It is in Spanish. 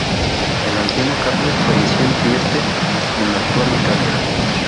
El anciano Carlos falleció en Trieste, en la actual Italia.